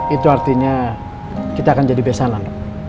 itu artinya kita akan jadi besanan